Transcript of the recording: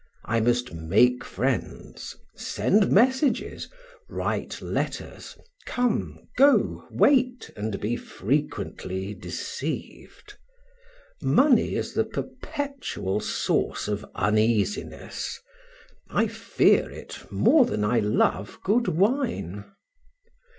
I must make friends, send messages, write letters, come, go, wait, and be frequently deceived. Money is the perpetual source of uneasiness; I fear it more than I love good wine.